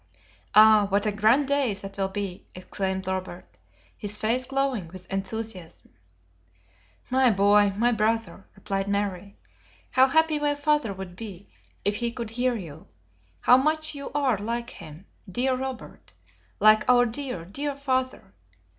Ah! what a grand day that will be!" exclaimed Robert, his face glowing with enthusiasm. "My boy, my brother," replied Mary, "how happy my father would be if he could hear you. How much you are like him, dear Robert, like our dear, dear father.